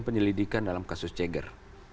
penyelidikan dalam kasus ceger